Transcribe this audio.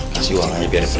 kasih uang aja biar ini